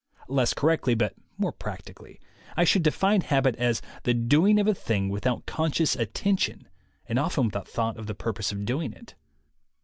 Less correctly but more practically, I should define habit as the doing of a thing without conscious attention and often without thought of the purpose of doing it.